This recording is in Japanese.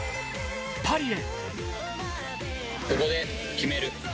パリへ。